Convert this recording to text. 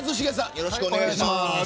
よろしくお願いします。